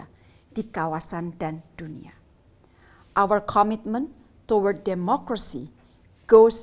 bdf adalah bentuk komitmen indonesia untuk terus memajukan demokrasi dan hak asasi manusia